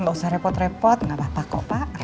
gak usah repot gak apa apa kok pak